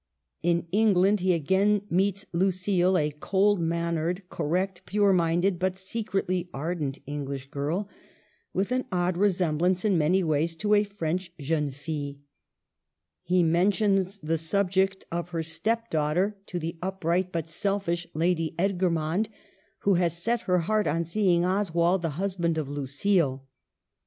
In England he again meets Lucile, a cold mannered, correct, pure minded, but secretly ardent English girl, with an odd resemblance in many ways to a French jeune fille. He men tions the subject of her step daughter to the Digitized by VjOOQLC HER WORKS, 23I upright but selfish Lady Edgermond, who has set her heart on seeing Oswald the husband of Lucile.